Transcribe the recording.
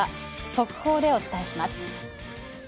速報でお伝えします。